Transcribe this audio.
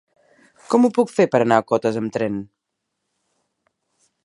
Com ho puc fer per anar a Cotes amb tren?